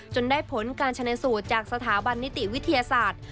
ได้ผลการชนะสูตรจากสถาบันนิติวิทยาศาสตร์